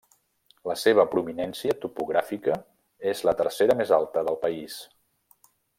La seva prominència topogràfica és la tercera més alta del país.